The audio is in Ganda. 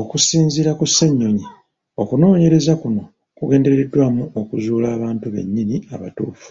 Okusinziira ku Ssenyonyi, okunoonyereza kuno kugendereddwamu okuzuula abantu bennyini abatuufu.